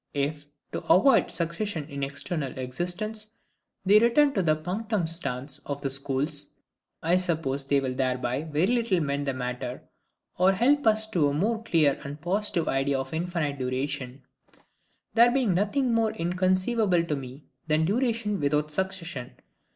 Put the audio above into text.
If, to avoid succession in external existence, they return to the punctum stans of the schools, I suppose they will thereby very little mend the matter, or help us to a more clear and positive idea of infinite duration; there being nothing more inconceivable to me than duration without succession.